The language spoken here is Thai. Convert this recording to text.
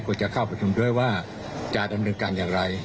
จะเข้าประชุมด้วยว่าจะดำเนินการอย่างไร